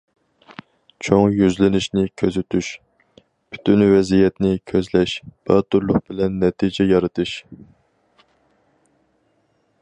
چوڭ يۈزلىنىشنى كۆزىتىش، پۈتۈن ۋەزىيەتنى كۆزلەش، باتۇرلۇق بىلەن نەتىجە يارىتىش.